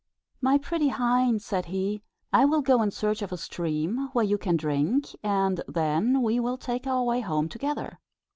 "My pretty hind," said he, "I will go in search of a stream where you can drink, and then we will take our way home together."